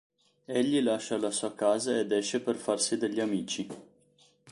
Egli lascia la sua casa ed esce per farsi degli amici.